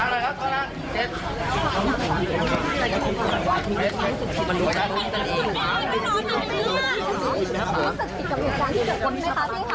มันรู้ได้รู้มันรอทางนี้รู้สึกผิดกับหลุดความที่เจ็บคนไหมคะ